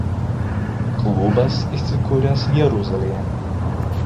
Klubas įsikūręs Jeruzalėje.